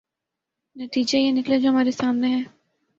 نتیجہ یہ نکلا جو ہمارے سامنے ہے۔